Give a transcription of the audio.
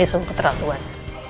ini sungguh keteratuan